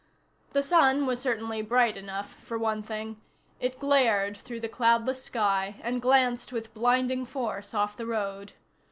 The sun was certainly bright enough, for one thing. It glared through the cloudless sky and glanced with blinding force off the road.